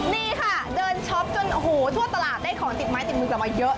นี่ค่ะเดินช็อปจนโอ้โหทั่วตลาดได้ของติดไม้ติดมือกลับมาเยอะ